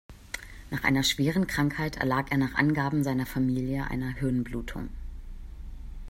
Nach einer schweren Krankheit erlag er nach Angaben seiner Familie einer Hirnblutung.